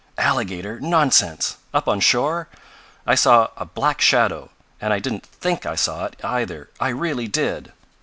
"Alligator? Nonsense! Up on shore? I saw a black shadow, and I didn't THINK I saw it, either. I really did."